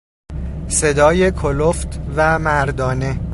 صدای کلفت و مردانه